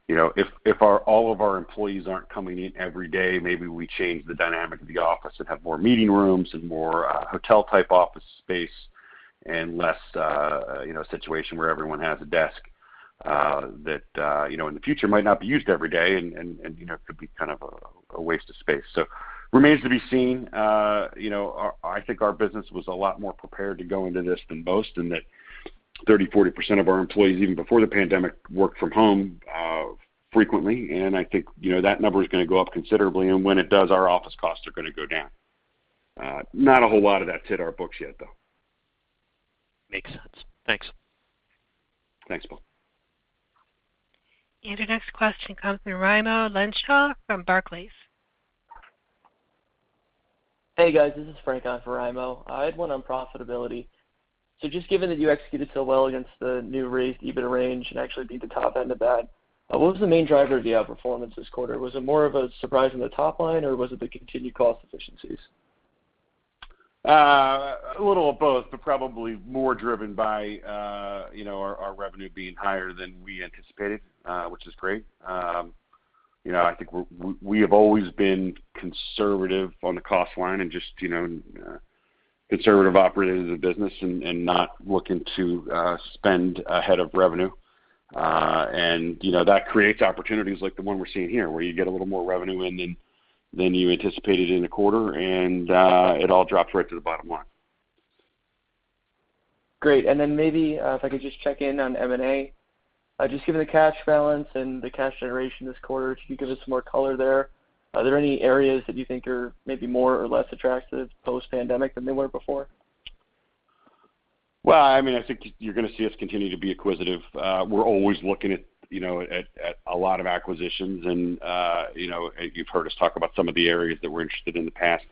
Maybe if all of our employees aren't coming in every day, maybe we change the dynamic of the office and have more meeting rooms and more hotel type office space, and less a situation where everyone has a desk that in the future might not be used every day, and it could be kind of a waste of space. Remains to be seen. I think our business was a lot more prepared to go into this than most, in that 30%, 40% of our employees, even before the pandemic, worked from home frequently. I think that number is going to go up considerably, and when it does, our office costs are going to go down. Not a whole lot of that has hit our books yet, though. Makes sense. Thanks. Thanks, Paul. Our next question comes from Raimo Lenschow from Barclays. Hey, guys. This is Frank on for Raimo. I had one on profitability. Just given that you executed so well against the new raised EBIT range and actually beat the top end of that, what was the main driver of the outperformance this quarter? Was it more of a surprise on the top line, or was it the continued cost efficiencies? A little of both, but probably more driven by our revenue being higher than we anticipated, which is great. I think we have always been conservative on the cost line and just conservative operators of the business and not looking to spend ahead of revenue. That creates opportunities like the one we're seeing here, where you get a little more revenue in than you anticipated in a quarter, and it all drops right to the bottom line. Great. Maybe if I could just check in on M&A. Just given the cash balance and the cash generation this quarter, could you give us some more color there? Are there any areas that you think are maybe more or less attractive post pandemic than they were before? Well, I think you're going to see us continue to be acquisitive. We're always looking at a lot of acquisitions, and you've heard us talk about some of the areas that we're interested in the past.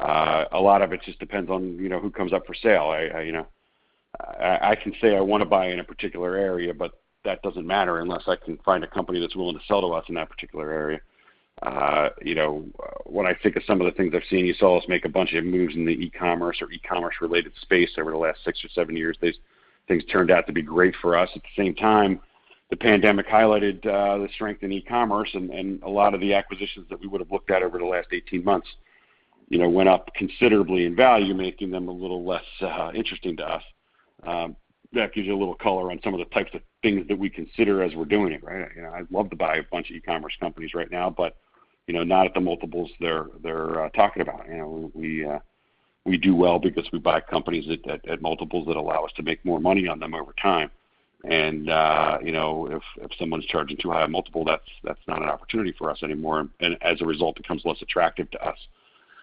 A lot of it just depends on who comes up for sale. I can say I want to buy in a particular area, but that doesn't matter unless I can find a company that's willing to sell to us in that particular area. What I think of some of the things I've seen, you saw us make a bunch of moves in the e-commerce or e-commerce related space over the last six or seven years. These things turned out to be great for us. At the same time, the pandemic highlighted the strength in e-commerce, and a lot of the acquisitions that we would've looked at over the last 18 months went up considerably in value, making them a little less interesting to us. That gives you a little color on some of the types of things that we consider as we're doing it, right? I'd love to buy a bunch of e-commerce companies right now, but not at the multiples they're talking about. We do well because we buy companies at multiples that allow us to make more money on them over time. If someone's charging too high a multiple, that's not an opportunity for us anymore, and as a result, becomes less attractive to us.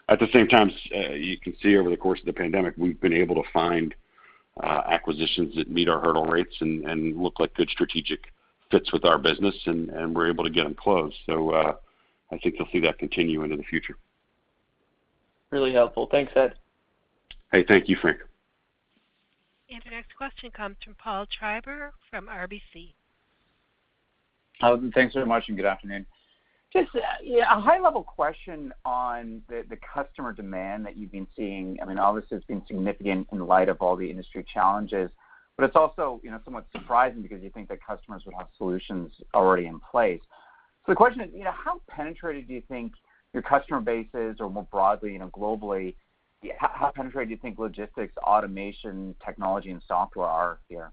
At the same time, you can see over the course of the pandemic, we've been able to find acquisitions that meet our hurdle rates and look like good strategic fits with our business, and we're able to get them closed. I think you'll see that continue into the future. Really helpful. Thanks, Ed. Hey, thank you, Frank. The next question comes from Paul Treiber from RBC. Thanks very much, and good afternoon. Just a high-level question on the customer demand that you've been seeing. Obviously, it's been significant in light of all the industry challenges, but it's also somewhat surprising because you think that customers would have solutions already in place. The question is, how penetrated do you think your customer base is, or more broadly, globally, how penetrated do you think logistics, automation, technology, and software are here?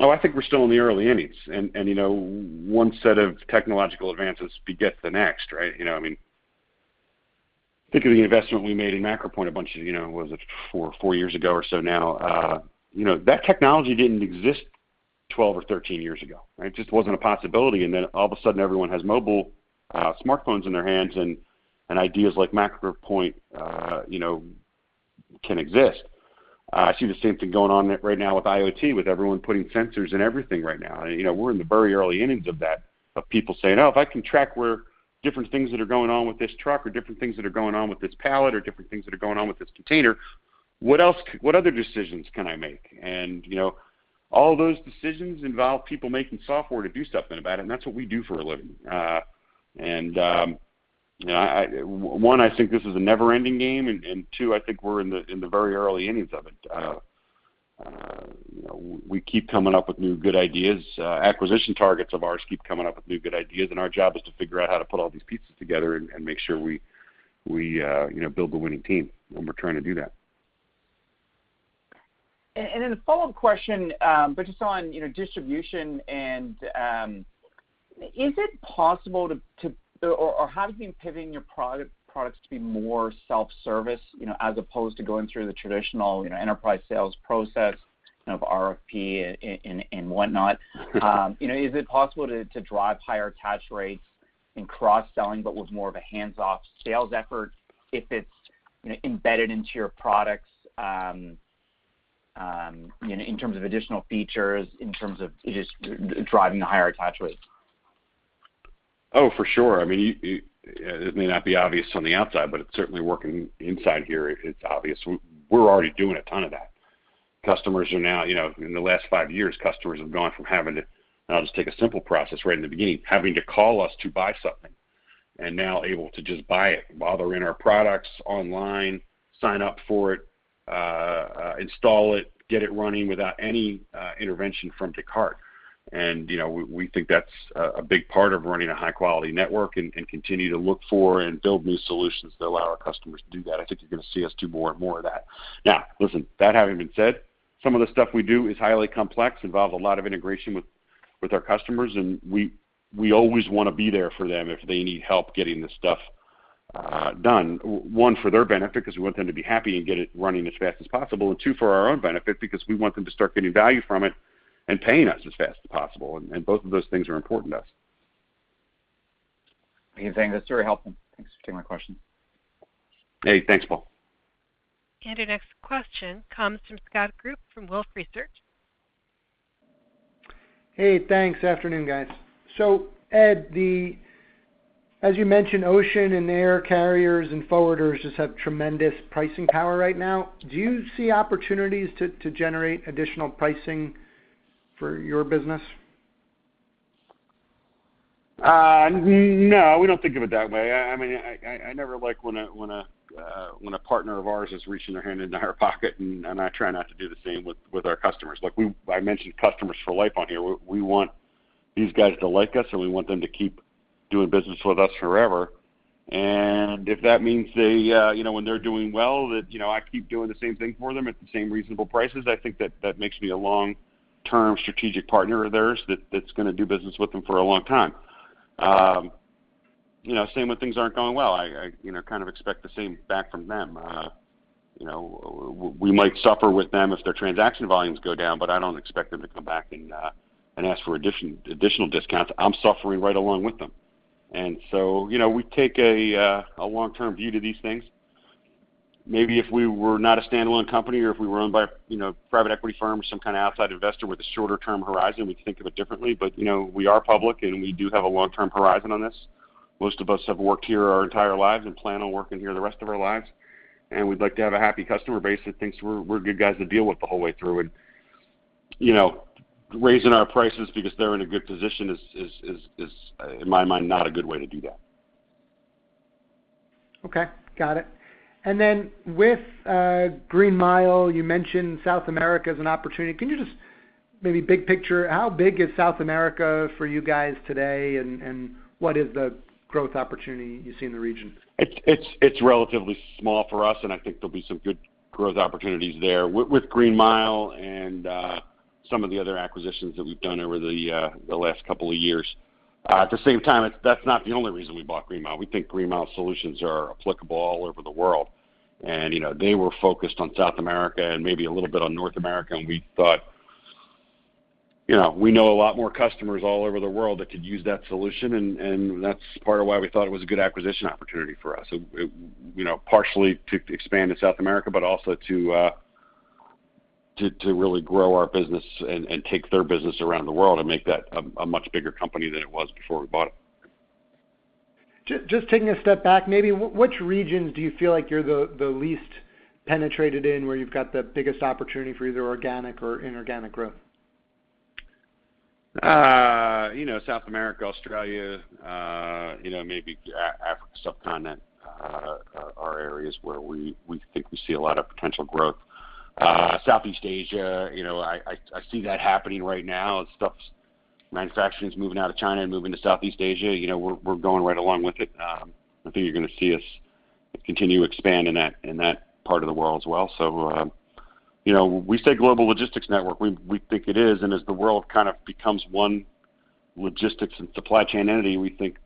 Oh, I think we're still in the early innings, and one set of technological advances beget the next, right? Think of the investment we made in MacroPoint, was it four years ago or so now. That technology didn't exist 12 or 13 years ago, right? Just wasn't a possibility, and then all of a sudden everyone has mobile smartphones in their hands, and ideas like MacroPoint can exist. I see the same thing going on right now with IoT, with everyone putting sensors in everything right now. We're in the very early innings of that, of people saying, Oh, if I can track where different things that are going on with this truck or different things that are going on with this pallet or different things that are going on with this container, what other decisions can I make? All those decisions involve people making software to do something about it, and that's what we do for a living. One, I think this is a never-ending game, and two, I think we're in the very early innings of it. We keep coming up with new good ideas. Acquisition targets of ours keep coming up with new good ideas, and our job is to figure out how to put all these pieces together and make sure we build the winning team, and we're trying to do that. A follow-up question, but just on distribution and is it possible to, or have you been pivoting your products to be more self-service, as opposed to going through the traditional enterprise sales process of RFP and whatnot? Sure. Is it possible to drive higher attach rates and cross-selling, but with more of a hands-off sales effort if it's embedded into your products, in terms of additional features, in terms of just driving the higher attach rates? For sure. It may not be obvious on the outside, but it's certainly working inside here, it's obvious. We're already doing a ton of that. In the last five years, customers have gone from having to, and I'll just take a simple process right in the beginning, having to call us to buy something, and now able to just buy it while they're in our products online, sign up for it, install it, get it running without any intervention from Descartes. We think that's a big part of running a high-quality network and continue to look for and build new solutions to allow our customers to do that. I think you're going to see us do more and more of that. Listen, that having been said, some of the stuff we do is highly complex, involve a lot of integration with our customers. We always want to be there for them if they need help getting the stuff done. One, for their benefit, because we want them to be happy and get it running as fast as possible. Two, for our own benefit, because we want them to start getting value from it and paying us as fast as possible. Both of those things are important to us. Okay, thanks. That's very helpful. Thanks for taking my question. Hey, thanks, Paul. Your next question comes from Scott Group from Wolfe Research. Hey, thanks. Afternoon, guys. Ed, as you mentioned, ocean and air carriers and forwarders just have tremendous pricing power right now. Do you see opportunities to generate additional pricing for your business? No, we don't think of it that way. I never like when a partner of ours is reaching their hand into our pocket, and I try not to do the same with our customers. I mentioned customers for life on here. We want these guys to like us, and we want them to keep doing business with us forever. If that means when they're doing well, that I keep doing the same thing for them at the same reasonable prices, I think that makes me a long-term strategic partner of theirs that's going to do business with them for a long time. Same when things aren't going well. I kind of expect the same back from them. We might suffer with them if their transaction volumes go down, but I don't expect them to come back and ask for additional discounts. I'm suffering right along with them. We take a long-term view to these things. Maybe if we were not a standalone company or if we were owned by private equity firm, some kind of outside investor with a shorter term horizon, we'd think of it differently. We are public, and we do have a long-term horizon on this. Most of us have worked here our entire lives and plan on working here the rest of our lives, and we'd like to have a happy customer base that thinks we're good guys to deal with the whole way through. Raising our prices because they're in a good position is, in my mind, not a good way to do that. Okay. Got it. With GreenMile, you mentioned South America as an opportunity. Can you just maybe big picture, how big is South America for you guys today, and what is the growth opportunity you see in the region? It's relatively small for us, and I think there'll be some good growth opportunities there with GreenMile and some of the other acquisitions that we've done over the last two years. At the same time, that's not the only reason we bought GreenMile. We think GreenMile solutions are applicable all over the world, and they were focused on South America and maybe a little bit on North America, and we thought we know a lot more customers all over the world that could use that solution, and that's part of why we thought it was a good acquisition opportunity for us. Partially to expand to South America, but also to really grow our business and take their business around the world and make that a much bigger company than it was before we bought it. Just taking a step back, maybe which regions do you feel like you're the least penetrated in, where you've got the biggest opportunity for either organic or inorganic growth? South America, Australia, maybe African subcontinent, are areas where we think we see a lot of potential growth. Southeast Asia, I see that happening right now. Stuff's manufacturing's moving out of China and moving to Southeast Asia. We're going right along with it. I think you're going to see us continue to expand in that part of the world as well. We say Global Logistics Network. We think it is, and as the world kind of becomes one- logistics and supply chain entity, we think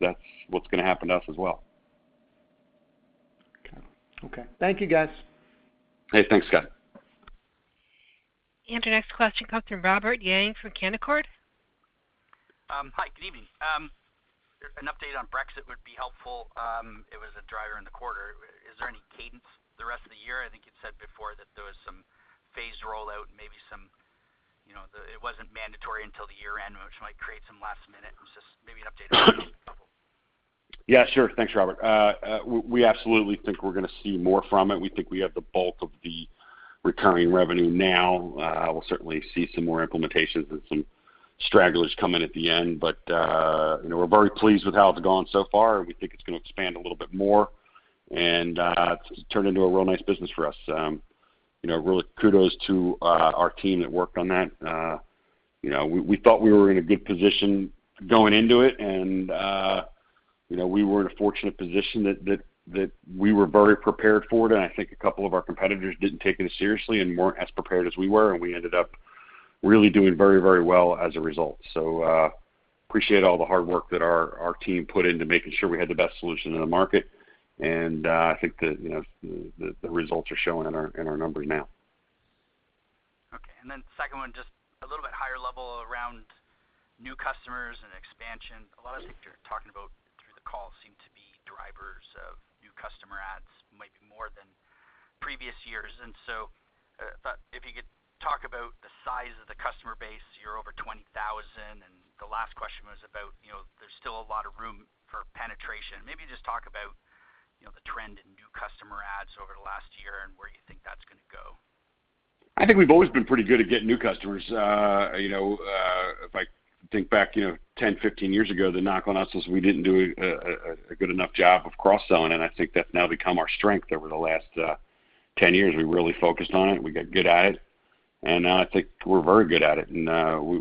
that's what's going to happen to us as well. Okay. Thank you, guys. Hey, thanks, Scott. Our next question comes from Robert Young from Canaccord. Hi, good evening. An update on Brexit would be helpful. It was a driver in the quarter. Is there any cadence the rest of the year? I think you'd said before that there was some phased rollout, maybe it wasn't mandatory until the year-end. Just maybe an update on that would be helpful. Yeah, sure. Thanks, Robert. We absolutely think we're going to see more from it. We think we have the bulk of the recurring revenue now. We'll certainly see some more implementations and some stragglers come in at the end. We're very pleased with how it's gone so far. We think it's going to expand a little bit more, and it's turned into a real nice business for us. Really kudos to our team that worked on that. We thought we were in a good position going into it, and we were in a fortunate position that we were very prepared for it, and I think a couple of our competitors didn't take it as seriously and weren't as prepared as we were, and we ended up really doing very well as a result. Appreciate all the hard work that our team put in to making sure we had the best solution in the market, and I think that the results are showing in our numbers now. Okay. Second one, just a little bit higher level around new customers and expansion. A lot of things you're talking about through the call seem to be drivers of new customer adds, might be more than previous years. Thought if you could talk about the size of the customer base. You're over 20,000, and the last question was about there's still a lot of room for penetration. Maybe just talk about the trend in new customer adds over the last year and where you think that's going to go. I think we've always been pretty good at getting new customers. If I think back 10, 15 years ago, the knock on us was we didn't do a good enough job of cross-selling. I think that's now become our strength over the last 10 years. We really focused on it. We got good at it. Now I think we're very good at it.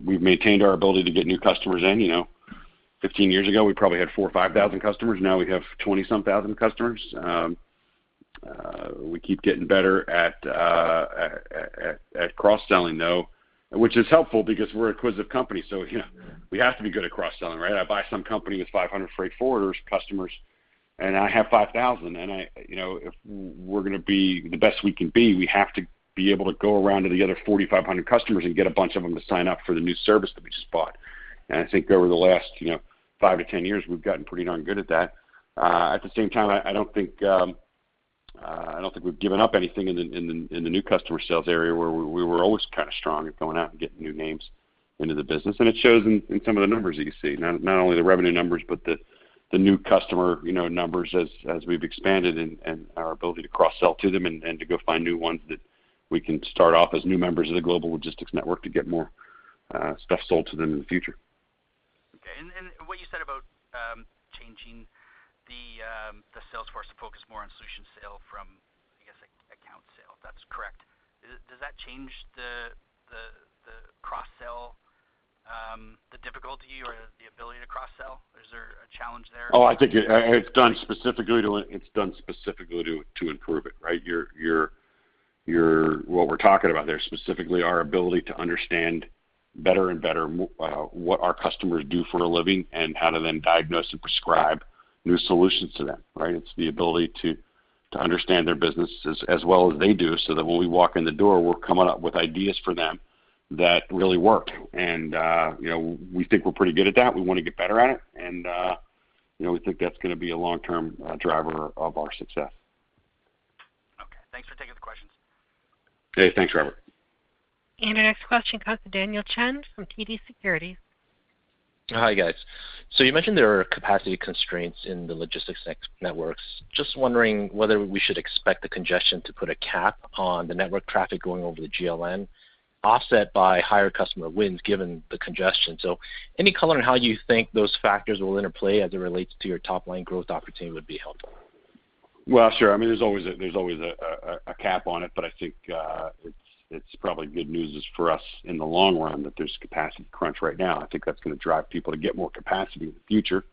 We've maintained our ability to get new customers in. 15 years ago, we probably had 4,000 or 5,000 customers. Now we have 20-some thousand customers. We keep getting better at cross-selling, though, which is helpful because we're acquisitive company. We have to be good at cross-selling, right? I buy some company with 500 freight forwarders customers. I have 5,000. If we're going to be the best we can be, we have to be able to go around to the other 4,500 customers and get a bunch of them to sign up for the new service that we just bought. I think over the last 5-10 years, we've gotten pretty darn good at that. At the same time, I don't think we've given up anything in the new customer sales area, where we were always kind of strong at going out and getting new names into the business. It shows in some of the numbers that you see, not only the revenue numbers, but the new customer numbers as we've expanded and our ability to cross-sell to them and to go find new ones that we can start off as new members of the Global Logistics Network to get more stuff sold to them in the future. Okay. What you said about changing the sales force to focus more on solution sale from, I guess, account sale, if that's correct. Does that change the cross-sell, the difficulty or the ability to cross-sell? Is there a challenge there? I think it's done specifically to improve it, right? What we're talking about there, specifically our ability to understand better and better what our customers do for a living, and how to then diagnose and prescribe new solutions to them, right? It's the ability to understand their business as well as they do, so that when we walk in the door, we're coming up with ideas for them that really work. We think we're pretty good at that. We want to get better at it, and we think that's going to be a long-term driver of our success. Okay. Thanks for taking the questions. Hey, thanks, Robert. Our next question comes from Daniel Chan from TD Securities. Hi, guys. You mentioned there are capacity constraints in the logistics networks. Just wondering whether we should expect the congestion to put a cap on the network traffic going over the GLN, offset by higher customer wins, given the congestion. Any color on how you think those factors will interplay as it relates to your top-line growth opportunity would be helpful. Well, sure. There's always a cap on it. I think it's probably good news is for us in the long run that there's capacity crunch right now. I think that's going to drive people to get more capacity in the future.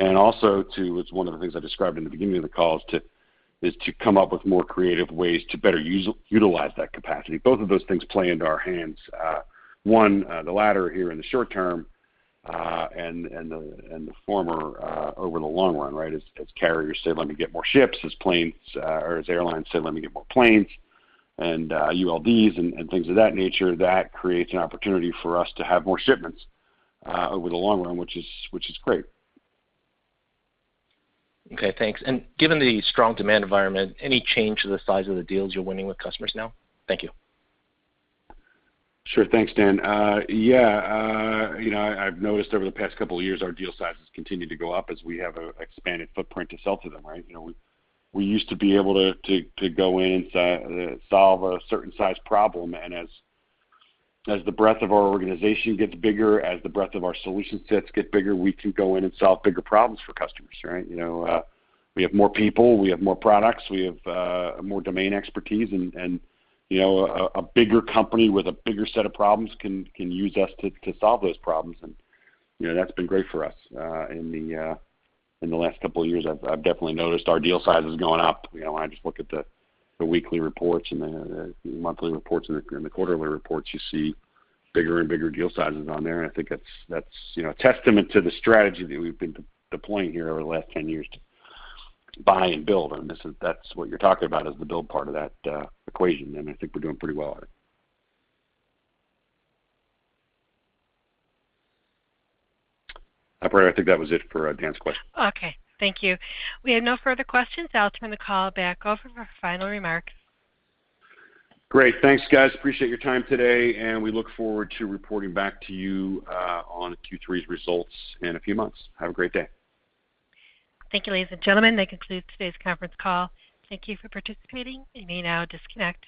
Also too, it's one of the things I described in the beginning of the call, is to come up with more creative ways to better utilize that capacity. Both of those things play into our hands. One, the latter here in the short term, the former over the long run, right? As carriers say, Let me get more ships, as airlines say, Let me get more planes, and ULDs and things of that nature, that creates an opportunity for us to have more shipments over the long run, which is great. Okay, thanks. Given the strong demand environment, any change to the size of the deals you're winning with customers now? Thank you. Sure. Thanks, Dan. Yeah. I've noticed over the past couple of years, our deal sizes continue to go up as we have an expanded footprint to sell to them, right? We used to be able to go in and solve a certain size problem, and as the breadth of our organization gets bigger, as the breadth of our solution sets get bigger, we can go in and solve bigger problems for customers, right? We have more people. We have more products. We have more domain expertise, and a bigger company with a bigger set of problems can use us to solve those problems, and that's been great for us. In the last couple of years, I've definitely noticed our deal size has gone up. I just look at the weekly reports and the monthly reports and the quarterly reports, you see bigger and bigger deal sizes on there, and I think that's testament to the strategy that we've been deploying here over the last 10 years to buy and build. That's what you're talking about is the build part of that equation, and I think we're doing pretty well at it. Operator, I think that was it for Dan's question. Okay. Thank you. We have no further questions. I'll turn the call back over for final remarks. Great. Thanks, guys. Appreciate your time today. We look forward to reporting back to you on Q3's results in a few months. Have a great day. Thank you, ladies and gentlemen. That concludes today's conference call. Thank you for participating. You may now disconnect.